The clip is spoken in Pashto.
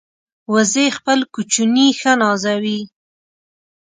وزې خپل کوچني ښه نازوي